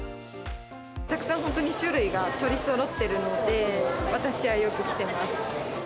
たくさん、本当に種類が取りそろっているので、私はよく来てます。